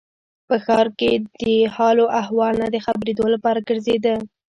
په ښار کې د حال و احوال نه د خبرېدو لپاره ګرځېده.